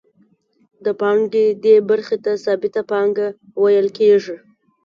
د پانګې دې برخې ته ثابته پانګه ویل کېږي